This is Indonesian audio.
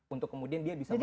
untuk kemudian dia bisa